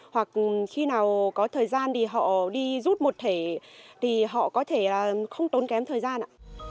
hoặc khi nào có thời gian thì họ đi rút một thể thì họ có thể không tốn kém thời gian